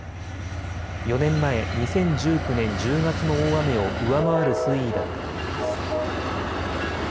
４年前、２０１９年１０月の大雨を上回る水位だったといいます。